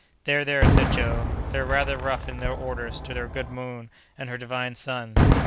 "There, there," said Joe, "they're rather rough in their orders to their good moon and her divine sons."